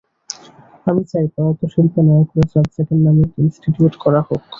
আমি চাই প্রয়াত শিল্পী নায়করাজ রাজ্জাকের নামে একটি ইনস্টিটিউট করা হোক।